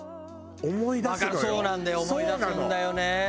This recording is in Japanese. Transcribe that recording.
そうなんだよ思い出すんだよねえ。